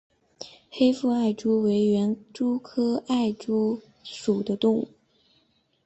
黑腹艾蛛为园蛛科艾蛛属的动物。